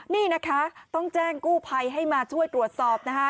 นี่นะคะต้องแจ้งกู้ภัยให้มาช่วยตรวจสอบนะคะ